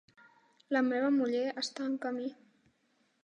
La meva muller està en camí.